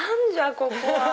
ここは！